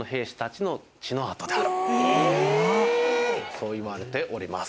そういわれております。